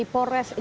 di polres jakarta